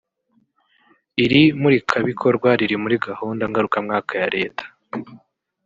Iri murikabikorwa riri muri gahunda ngarukamwaka ya Leta